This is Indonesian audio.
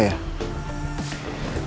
tidak ada apa apa